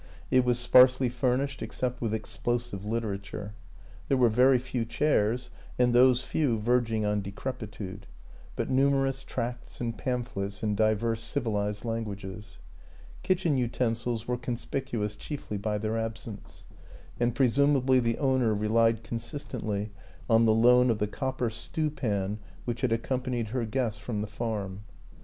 It was sparsely fur nished, except with explosive literature; there were very few chairs, and those few verging on decrepitude, but numerous tracts and pamphlets in divers civilized languages. Kitchen utensils were conspicuous chiefly by their absence, and presumably the owner relied consistently on the loan of the copper stewpan which had accom panied her guests from the farm.